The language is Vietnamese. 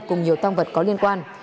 cùng nhiều tăng vật có liên quan